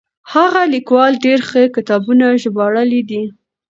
هغه ليکوال ډېر ښه کتابونه ژباړلي دي.